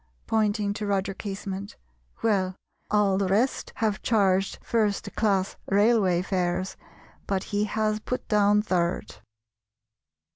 (pointing to Roger Casement), "Well, all the rest have charged first class railway fares, but he has put down third."